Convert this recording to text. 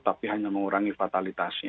tapi hanya mengurangi fatalitas